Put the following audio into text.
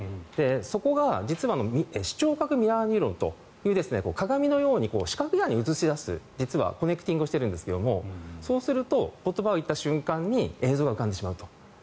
そこが視聴覚ミラーニューロンという鏡のように視覚野に映し出す実はコネクティングをしているんですが言葉を言った瞬間に映像が浮かんでしまうと。